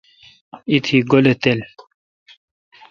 ایتی گولی تل۔